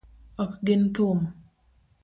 Ok gin thum.